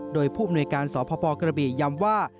โดยผู้อำนวยการสพกระบีย้ำว่า